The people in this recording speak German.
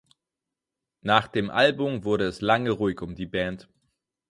Nach dem Album wurde es lange ruhig um die Band.